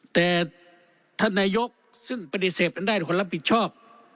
แต่ท่านนายกซึ่งปฏิเสธอันได้เป็นคนรับผิดชอบ